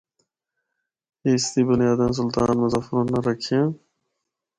اس دی بنیاداں سلطان مظفر اُناں رکھیاں۔